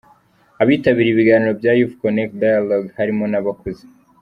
Abitabiriye ibiganiro bya Youth connekt Dialogue harimo n’abakuze.